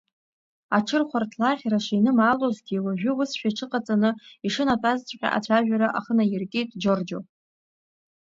Аҽырхәарҭлаӷьра шинымаалозгьы уажәы усшәа иҽыҟаҵаны ишынатәазҵәҟьа ацәажәара ахы наиркит Џьорџьо.